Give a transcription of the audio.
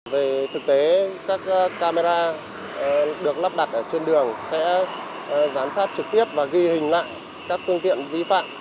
về thực tế các camera được lắp đặt trên đường sẽ giám sát trực tiếp và ghi hình lại các phương tiện vi phạm